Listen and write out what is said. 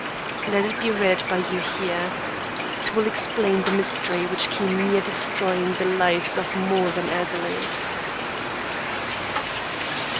Let it be read by you here. It will explain the mystery which came near destroying the lives of more than Adelaide.